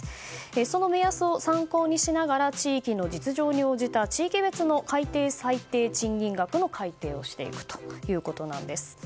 その目安を参考にしながら地域の実情に応じた地域別の改定最低賃金額の改定をしていくということです。